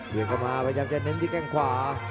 เดินเข้ามาพยายามจะเน้นที่แข้งขวา